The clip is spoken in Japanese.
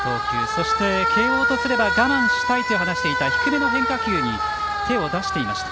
そして、慶応とすれば我慢したいと話していた低めの変化球に手を出していました。